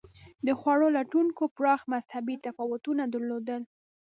د خوړو لټونکو پراخ مذهبي تفاوتونه درلودل.